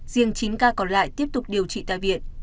riêng chín ca còn lại tiếp tục điều trị tại viện